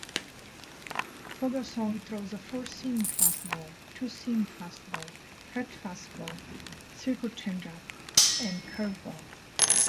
Vogelsong throws a four-seam fastball, two-seam fastball, cut fastball, circle changeup, and curveball.